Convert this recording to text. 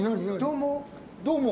どうも。